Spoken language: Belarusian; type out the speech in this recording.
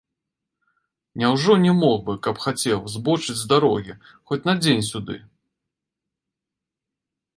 Няўжо не мог бы, каб хацеў, збочыць з дарогі, хоць на дзень сюды?